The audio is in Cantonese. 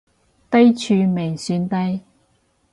低處未算低